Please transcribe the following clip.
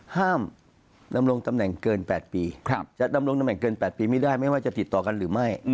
ห้ามดำรงตำแหน่งเกิน๘ปีจะดำรงตำแหน่งเกิน๘ปีไม่ได้ไม่ว่าจะติดต่อกันหรือไม่